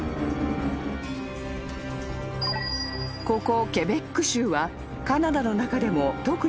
［ここ］